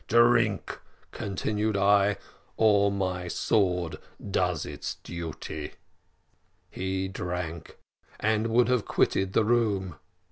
Drink,' continued I, `or my sword does its duty.' "He drank, and would then have quitted the room.